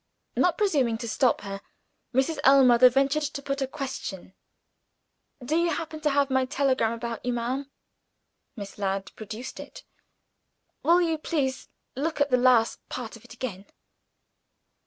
Not presuming to stop her, Mrs. Ellmother ventured to put a question "Do you happen to have my telegram about you, ma'am?" Miss Ladd produced it. "Will you please look at the last part of it again?"